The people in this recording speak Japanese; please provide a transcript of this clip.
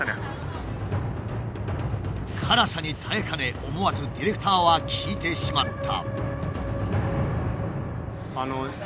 辛さに耐えかね思わずディレクターは聞いてしまった。